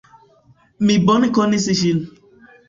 Mi bone konis ŝin.